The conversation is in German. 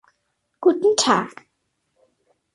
Guten Tag!